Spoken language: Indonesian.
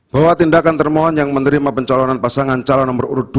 bahwa tindakan termohon yang menerima pencalonan pasangan calon nomor urut dua